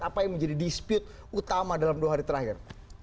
apa yang menjadi dispute utama dalam dua hari terakhir